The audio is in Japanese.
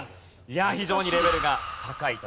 いや非常にレベルが高い戦い。